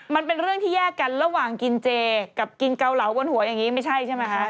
มันเป็นเรื่องที่แยกกันระหว่างกินเจกับกินเกาเหลาบนหัวอย่างนี้ไม่ใช่ใช่ไหมคะ